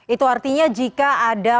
itu artinya jika ada